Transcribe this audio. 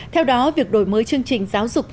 theo đó việc đổi mới chương trình giáo dục